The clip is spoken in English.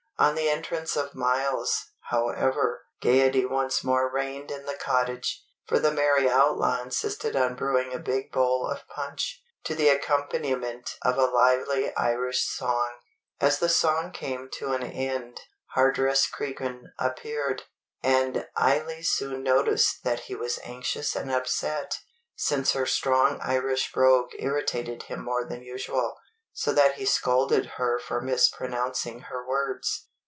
On the entrance of Myles, however, gaiety once more reigned in the cottage; for the merry outlaw insisted on brewing a big bowl of punch, to the accompaniment of a lively Irish song. As the song came to an end, Hardress Cregan appeared; and Eily soon noticed that he was anxious and upset, since her strong Irish brogue irritated him more than usual, so that he scolded her for mispronouncing her words.